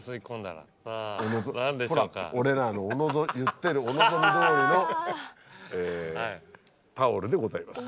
ほら俺らの言ってるお望みどおりのタオルでございます。